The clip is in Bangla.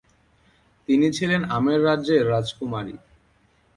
তিনি ছিলেন 'আমের' রাজ্যের রাজকুমারী।